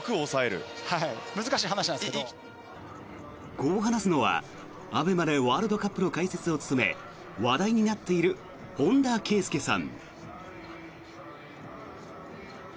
こう話すのは、ＡＢＥＭＡでワールドカップの解説を務め話題になっている本田圭佑さん。